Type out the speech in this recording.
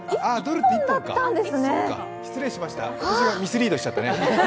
失礼しました私がミスリードしちゃったね。